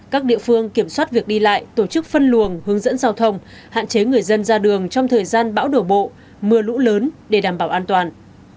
các địa phương kiểm soát việc đi lại tổ chức phân luồng hướng dẫn giao thông hạn chế người dân ra đường trong thời gian bão đổ bộ mưa lũ lớn để đảm bảo an toàn